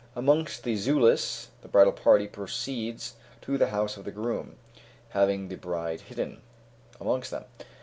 Amongst the Zulus, the bridal party proceeds to the house of the groom, having the bride hidden amongst them.